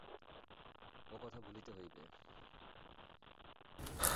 ও কথা ভুলিতে হইবে।